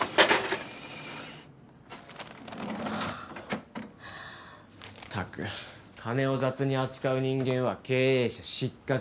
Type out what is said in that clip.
ったく金を雑に扱う人間は経営者失格。